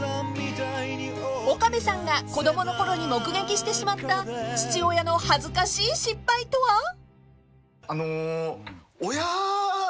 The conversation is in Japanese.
［岡部さんが子供のころに目撃してしまった父親の恥ずかしい失敗とは！？］